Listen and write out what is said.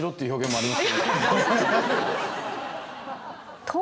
あります。